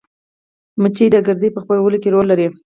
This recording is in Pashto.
مچۍ د ګردې په خپرولو کې رول لري